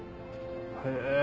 へえ。